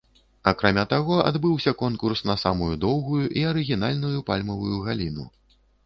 Акрамя таго адбыўся конкурс на самую доўгую і арыгінальную пальмавую галіну.